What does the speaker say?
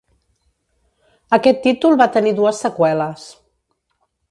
Aquest títol va tenir dues seqüeles.